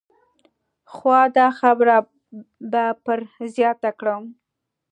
خو دا خبره به پر زیاته کړم.